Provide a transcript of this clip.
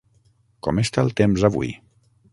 Com està el temps, avui?